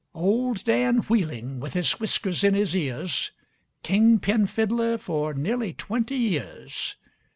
Old Dan Wheeling, with his whiskers in his ears, King pin fiddler for nearly twenty years.